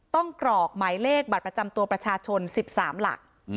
กรอกหมายเลขบัตรประจำตัวประชาชน๑๓หลัก